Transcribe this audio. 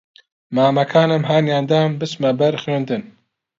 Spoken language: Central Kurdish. مامەکانم ھانیان دام بچمە بەر خوێندن